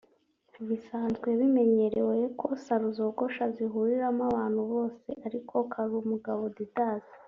Bisanzwe bimenyerewe ko Salo zogosha zihurirwamo n’abantu bose ariko Karumugabo Didas